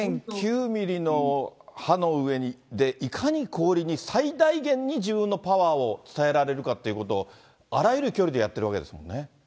０．９ミリの刃の上でいかに氷に最大限に自分のパワーを伝えられるかということ、あらゆる距離でやってるわけですもんね。